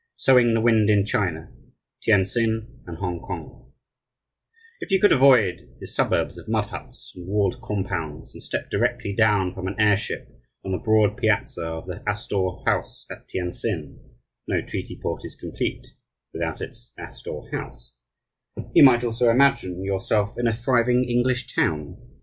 VI SOWING THE WIND IN CHINA TIENTSIN AND HONGKONG If you could avoid the suburbs of mud huts and walled compounds, and step directly down from an airship on the broad piazza of the Astor House at Tientsin (no treaty port is complete without its Astor House), you might also imagine yourself in a thriving English town.